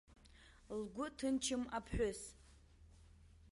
Лгәы ҭынчым аԥҳәыс.